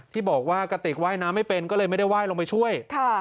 ที่บอกว่ากระติกว่ายน้ำไม่เป็นก็เลยไม่ได้ไหว้ลงไปช่วย